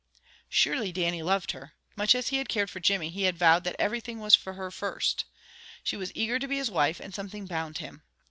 Surely Dannie loved her. Much as he had cared for Jimmy, he had vowed that everything was for her first. She was eager to be his wife, and something bound him.